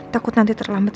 takut nanti terlambat